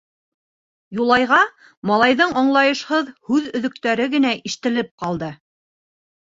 Юлайға малайҙарҙың аңлайышһыҙ һүҙ өҙөктәре генә ишетелеп ҡалды.